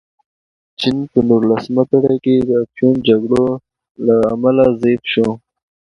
چین په نولسمه پېړۍ کې د افیون جګړو له امله ضعیف شو.